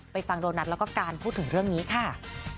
ฟังโดนัทแล้วก็การพูดถึงเรื่องนี้ค่ะ